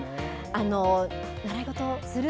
習い事する？